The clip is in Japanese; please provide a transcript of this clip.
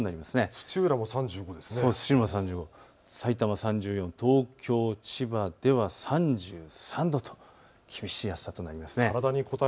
土浦も３５度、さいたま３４度、東京、千葉では３３度と厳しい暑さとなりそうです。